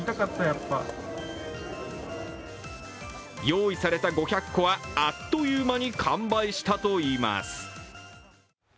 用意された５００個はあっという間に完売したといいます。